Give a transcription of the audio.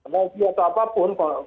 mau itu apapun